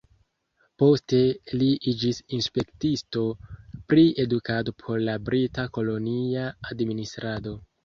Poste li iĝis inspektisto pri edukado por la brita kolonia administrado.